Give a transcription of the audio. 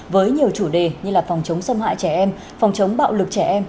với nhiều chủ đề như là phòng chống xâm hại trẻ em phòng chống bạo lực trẻ em